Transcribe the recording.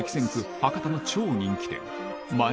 博多の超人気店